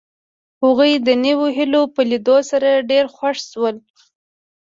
هغوی د نویو هیلو په لیدو سره ډېر خوښ شول